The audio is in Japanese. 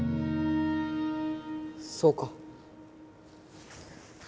そうか。